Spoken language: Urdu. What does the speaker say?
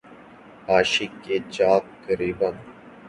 عاشق کے چاک گریباں